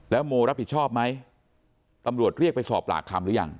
โมรับผิดชอบไหมตำรวจเรียกไปสอบปากคำหรือยัง